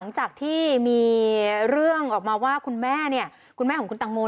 หลังจากที่มีเรื่องออกมาว่าคุณแม่เนี่ยคุณแม่ของคุณตังโม